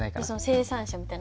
生産者みたいな。